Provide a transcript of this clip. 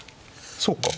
そうか。